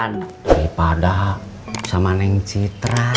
daripada sama neng citra